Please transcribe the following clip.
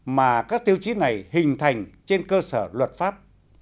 mà các tiêu chí này hình thành trên cơ sở luật pháp